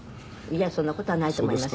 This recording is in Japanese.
そんな事はないと思いますけど。